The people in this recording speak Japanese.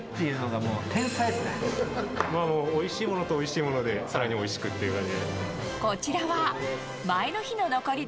もう、おいしいものとおいしいもので、さらにおいしくっていう感じで。